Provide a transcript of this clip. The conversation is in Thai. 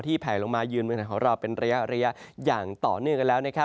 ที่แผ่ลงมายืนบนข้างของเราเป็นระยะอย่างต่อเนื่องกันแล้ว